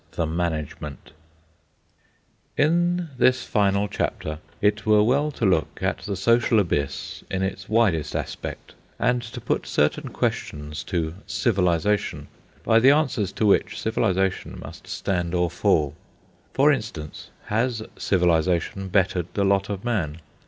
THE MANAGEMENT In this final chapter it were well to look at the Social Abyss in its widest aspect, and to put certain questions to Civilisation, by the answers to which Civilisation must stand or fall. For instance, has Civilisation bettered the lot of man?